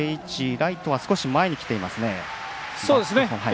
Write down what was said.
ライトは少し前にきていますね。